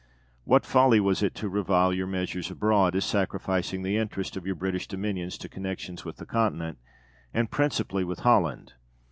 What folly was it to revile your measures abroad, as sacrificing the interest of your British dominions to connections with the Continent, and principally with Holland!